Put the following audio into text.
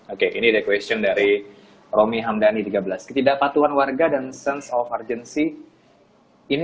oke ini dequestion dari romi hamdani tiga belas ketidakpatuhan warga dan sense of urgency ini